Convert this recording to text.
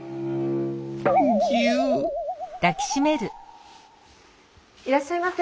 ぎゅいらっしゃいませ。